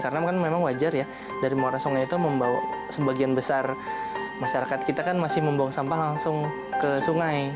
karena memang wajar ya dari muara sungai itu membawa sebagian besar masyarakat kita kan masih membuang sampah langsung ke sungai